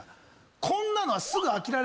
こんなのは」